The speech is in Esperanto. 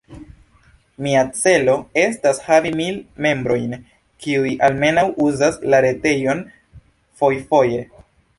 Mia celo estas havi mil membrojn, kiuj almenaŭ uzas la retejon fojfoje.